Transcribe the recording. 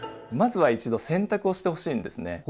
まずは一度洗濯をしてほしいんですね。